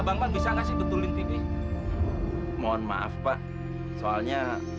sampai jumpa di video selanjutnya